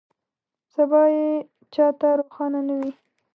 سبا یې چا ته روښانه نه وي.